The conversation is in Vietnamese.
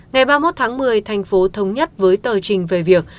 ngày ba mươi một tháng một mươi thành phố thống nhất với tờ trình về việc